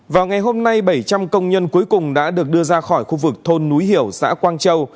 vào ngày hôm nay bảy trăm linh công nhân cuối cùng đã được đưa ra khỏi khu vực thôn núi hiểu xã quang châu